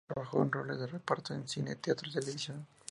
Trabajó en roles de reparto en cine, teatro y televisión.